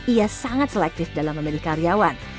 ia sangat selektif dalam memilih karyawan